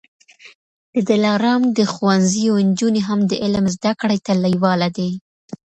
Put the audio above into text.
د دلارام د ښوونځیو نجوني هم د علم زده کړې ته لېواله دي.